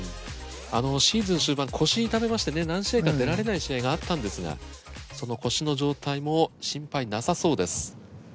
シーズン終盤腰痛めましてね何試合か出られない試合があったんですがその腰の状態も心配なさそうです。